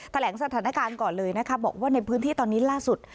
แถลงสถานการณ์ก่อนเลยนะคะบอกว่าในพื้นที่ตอนนี้ล่าสุด